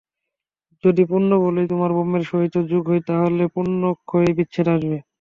যদি পুণ্যবলেই তোমার ব্রহ্মের সহিত যোগ হয়, তা হলে পুণ্যক্ষয়েই বিচ্ছেদ আসবে।